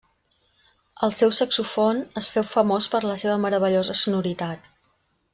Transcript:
Al seu saxofon es féu famós per la seva meravellosa sonoritat.